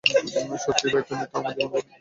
সত্যিই ভাই, তুমি তো আমার জীবনই বদলে দিছো।